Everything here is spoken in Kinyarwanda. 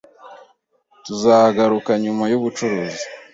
Tuzagaruka nyuma yubucuruzi.